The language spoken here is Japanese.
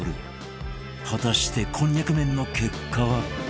果たしてこんにゃく麺の結果は？